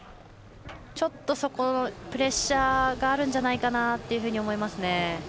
ちょっと、そこのプレッシャーがあるんじゃないかなと思いますね。